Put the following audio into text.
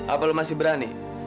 apa lu masih berani